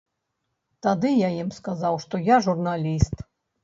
Тады я ім сказаў, што я журналіст.